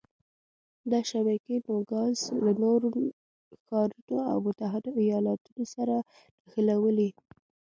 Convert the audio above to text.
دا شبکې نوګالس له نورو ښارونو او متحده ایالتونو سره نښلوي.